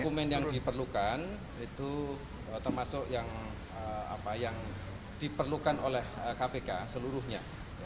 dokumen yang diperlukan itu termasuk yang diperlukan oleh kpk seluruhnya